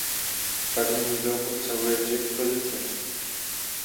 Farní muzeum obsahuje tři expozice.